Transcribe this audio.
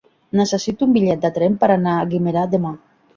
Necessito un bitllet de tren per anar a Guimerà demà.